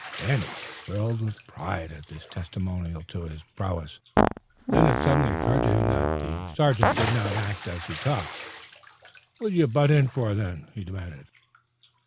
Danny swelled with pride at this testimonial to his prowess. Then it suddenly occurred to him that the sergeant did not act as he talked. "What'd you butt in for, then?" he demanded.